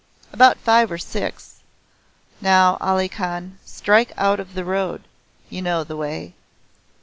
"About five or six. Now, Ali Khan, strike out of the road. You know the way."